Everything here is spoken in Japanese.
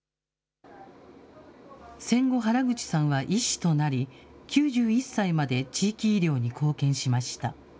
戦後、原口さんは医師となり、９１歳まで地域医療に貢献しました。